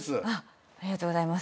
ありがとうございます。